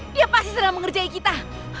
dia pasti sedang mengerjai kita